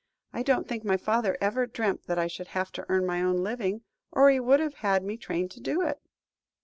I don't think my father ever dreamt that I should have to earn my own living, or he would have had me trained to do it."